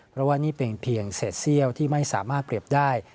เพราะว่านี่เป็นเพียงเศษเซี่ยวที่ไม่สามารถเปรียบได้